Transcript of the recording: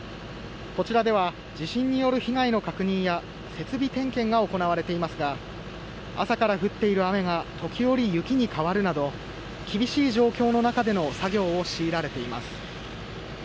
こちらでは地震による被害の確認や設備点検が行われていますが朝から降っている雨が時折、雪に変わるなど厳しい状況の中での作業を強いられています。